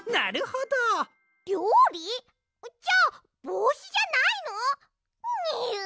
じゃあぼうしじゃないの？にゅ。